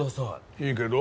いいけど？